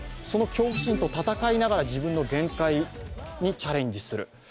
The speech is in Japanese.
その恐怖心と闘いながら自分の限界にチャレンジする。